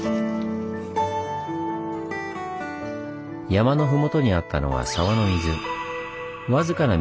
山の麓にあったのは沢の水。